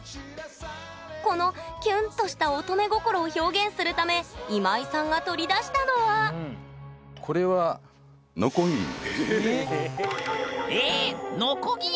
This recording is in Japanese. この「キュン」とした乙女心を表現するため今井さんが取り出したのはこれはええ⁉ノコギリ？